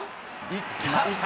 いった。